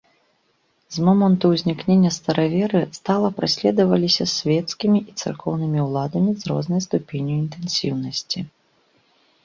З моманту ўзнікнення стараверы стала праследаваліся свецкімі і царкоўнымі ўладамі з рознай ступенню інтэнсіўнасці.